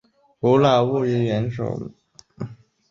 砂拉越州元首是马来西亚砂拉越州仪式上的州最高元首。